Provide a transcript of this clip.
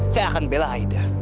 saya akan bela aida